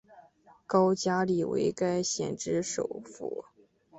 高加力为该县之首府。